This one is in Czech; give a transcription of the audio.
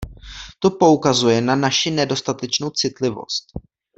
To poukazuje na naši nedostatečnou citlivost.